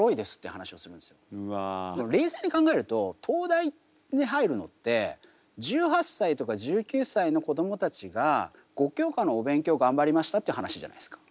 冷静に考えると東大に入るのって１８歳とか１９歳の子どもたちが５教科のお勉強頑張りましたって話じゃないですか。